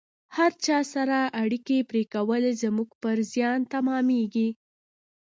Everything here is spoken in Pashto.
هر چا سره اړیکې پرې کول زموږ پر زیان تمامیږي